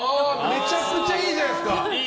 めちゃくちゃいいじゃないですか。